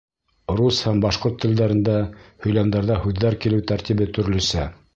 Рус һәм башҡорт телдәрендә һөйләмдәрҙә һүҙҙәр килеү тәртибе төрлөсә.